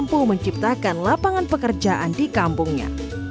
mampu menciptakan lapangan pekerjaan di kampungnya